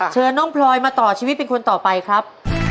เชิญน้องพลอยมาต่อชีวิตเป็นคนต่อไปครับ